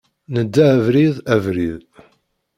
Nedda abrid, abrid.